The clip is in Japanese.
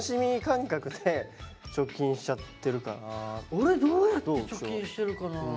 俺どうやって貯金してるかな。